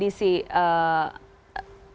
dan untuk memastikan anda